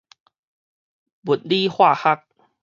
物理化學